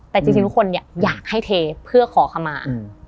แต่จริงทุกคนอยากให้เทเพื่อขอขมา